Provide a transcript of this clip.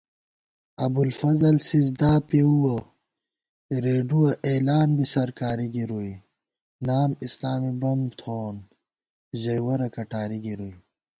ابُوالفضل سِزدا پېؤوَہ رېڈُوَہ اېلان بی سَرکاری گِرُوئی * نام اسلامی بم تھووون ژَئی ورہ کٹاری گِروئی